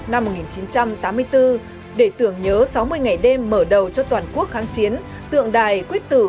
năm một nghìn chín trăm tám mươi bốn để tưởng nhớ sáu mươi ngày đêm mở đầu cho toàn quốc kháng chiến tượng đài quyết tử